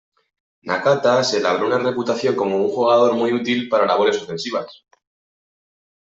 Nakata se labró una reputación como un jugador muy útil para labores ofensivas.